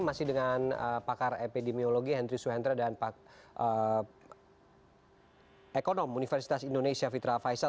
masih dengan pakar epidemiologi henry suhendra dan pak ekonom universitas indonesia fitra faisal